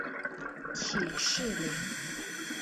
起士林。